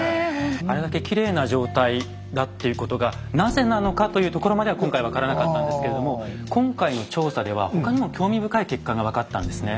あれだけきれいな状態だっていうことがなぜなのかというところまでは今回分からなかったんですけれども今回の調査では他にも興味深い結果が分かったんですね。